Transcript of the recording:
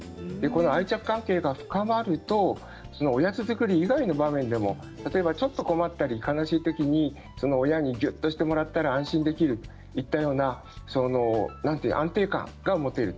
愛着が深まればおやつ作り以外の場面でもちょっと困ったり悲しいときに親にぎゅっとしてもらったら安心できるというような安定感が持てる。